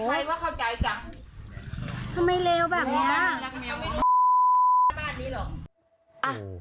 ใครว่าเข้าใจจังทำไมเลวแบบเนี้ยไม่รักแมวบ้านนี้หรอก